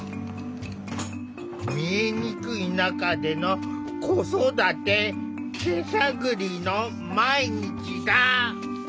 見えにくい中での子育て手探りの毎日だ。